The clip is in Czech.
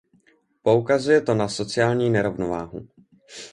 Poukazuje to na sociální nerovnováhu.